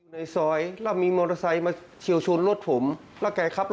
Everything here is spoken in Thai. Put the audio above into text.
ว่าผมจะคือของมอชุดใช้รถผมไงครับผม